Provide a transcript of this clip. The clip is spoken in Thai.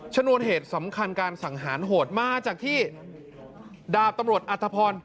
ชนวนเหตุสำคัญการสังหารโหดมาจากที่ดาบตำรวจอัตภพร